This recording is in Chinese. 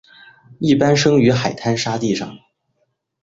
一般生于海滩沙地上。